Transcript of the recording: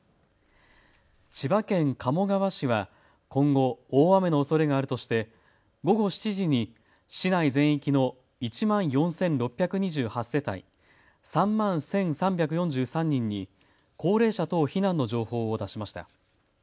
千葉県鴨川市は今後、大雨のおそれがあるとして午後７時に市内全域の１万４６２８世帯、３万１３４３人に高齢者等避難の情報を出しました。